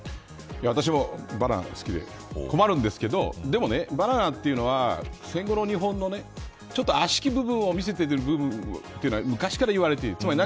私もバナナが好きで困るんですけどでもね、バナナというのは戦後の日本の悪しき部分を見せている部分というのは昔から言われている。